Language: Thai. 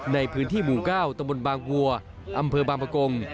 ในพื้นที่หมู่ก้าวตรงบนบางหัวอำเภอบางปะกง